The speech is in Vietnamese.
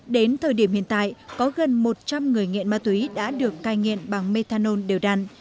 đến thời điểm hiện tại có gần một trăm linh người nghiện ma túy đã được cai nghiện bằng methanol đều đàn